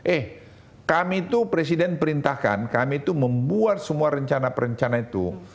eh kami tuh presiden perintahkan kami tuh membuat semua rencana perencana itu